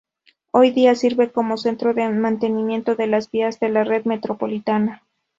Hoy día sirven como centro de mantenimiento de las vías de la red metropolitana.